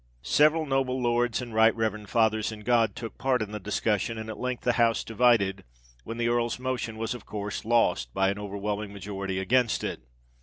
Several noble Lords and Right Reverend Fathers in God took part in the discussion; and at length the House divided, when the Earl's motion was of course lost by an overwhelming majority against it.